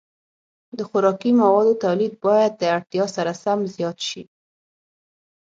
د خوراکي موادو تولید باید د اړتیا سره سم زیات شي.